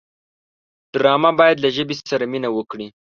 ډرامه باید له ژبې سره مینه وکړي